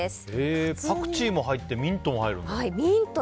パクチーも入ってミントも入るんだ。